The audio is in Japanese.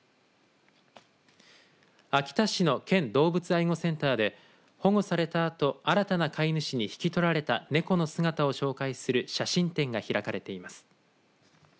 秋田市の県動物愛護センターで保護されたあと新たな飼い主に引き取られた猫の姿を紹介する写真展が開かれています。